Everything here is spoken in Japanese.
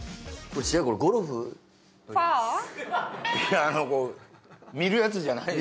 違うこれゴルフファー？いや見るやつじゃない？